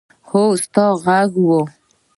هو! ستا ږغ اورم.